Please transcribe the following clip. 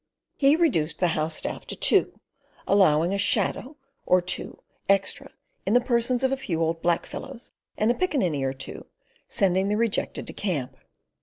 He reduced the house staff to two, allowing a shadow or two extra in the persons of a few old black fellows and a piccaninny or two, sending the rejected to camp.